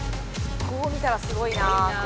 「こう見たらすごいなあ」